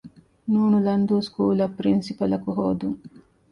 ނ. ލަންދޫ ސްކޫލަށް ޕްރިންސިޕަލަކު ހޯދުން